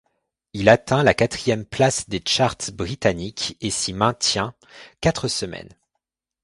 Il atteint la quatrième place des charts britanniques et s'y maintient quatre semaines.